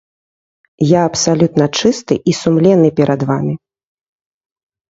Я абсалютна чысты і сумленны перад вамі.